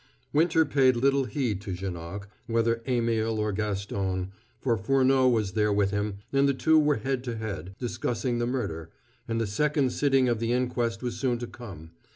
Winter paid little heed to Janoc, whether Émile or Gaston, for Furneaux was there with him, and the two were head to head, discussing the murder, and the second sitting of the inquest was soon to come.